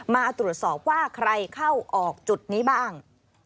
มาตรวจสอบว่าใครเข้าออกจุดนี้บ้าง